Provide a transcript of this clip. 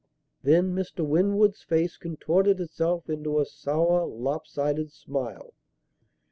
Then Mr. Winwood's face contorted itself into a sour, lopsided smile.